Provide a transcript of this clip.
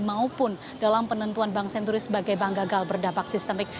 maupun dalam penentuan bank senturi sebagai bank gagal berdampak sistemik